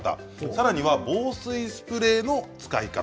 さらには防水スプレーの使い方。